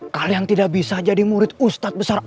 kalian tidak bisa jadi murid ustadz besar